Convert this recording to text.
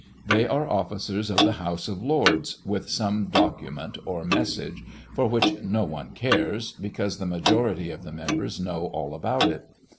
They are officers of the House of Lords, with some document or message, for which no one cares, because the majority of the members know all about it.